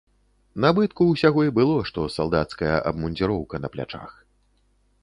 Набытку ўсяго і было што салдацкая абмундзіроўка на плячах.